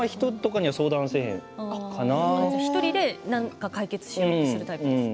１人で解決しようとするタイプですね。